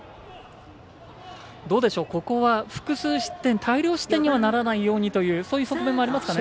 ここは複数失点大量失点にはならないようにというそういう側面もありますかね？